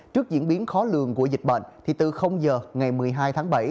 trước diễn biến khó lường của dịch bệnh thì từ giờ ngày một mươi hai tháng bảy